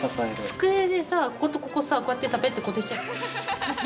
机でさこことここさこうやってペッて固定しちゃう。